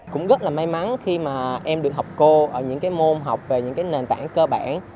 cũng rất là may mắn khi mà em được học cô ở những môn học về những nền tảng cơ bản